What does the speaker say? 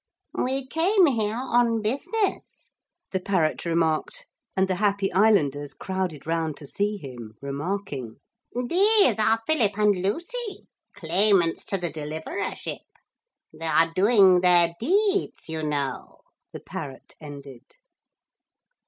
'We came here on business,' the parrot remarked and the happy islanders crowded round to see him, remarking 'these are Philip and Lucy, claimants to the Deliverership. They are doing their deeds, you know,' the parrot ended.